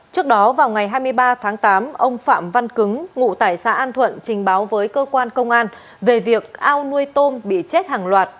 trước đó vào ngày hai mươi ba tháng tám ông phạm văn cứng ngụ tại xã an thuận trình báo với cơ quan công an về việc ao nuôi tôm bị chết hàng loạt